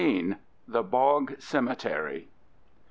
XVII. THE BOG CEMETERY.